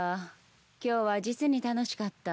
今日は実に楽しかった。